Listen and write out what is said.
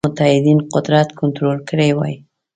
متحدینو قدرت کنټرول کړی وای.